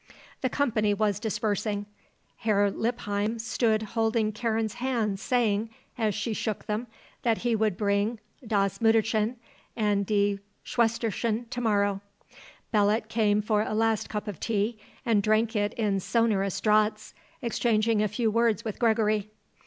The company was dispersing. Herr Lippheim stood holding Karen's hands saying, as she shook them, that he would bring das Mütterchen and die Schwesterchen to morrow. Belot came for a last cup of tea and drank it in sonorous draughts, exchanging a few words with Gregory.